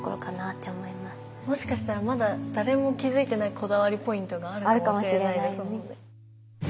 もしかしたらまだ誰も気付いてないこだわりポイントがあるかもしれないですもんね。